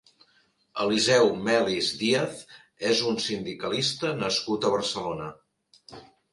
Eliseu Melis Díaz és un sindicalista nascut a Barcelona.